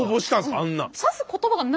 あんな。